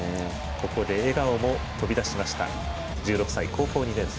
ここで笑顔も飛び出しました、１６歳高校２年生。